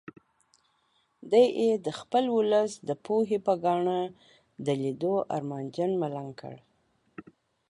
دی یې د خپل ولس د پوهې په ګاڼه د لیدو ارمانجن ملنګ کړ.